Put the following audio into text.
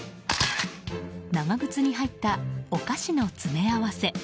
長靴に入ったお菓子の詰め合わせ。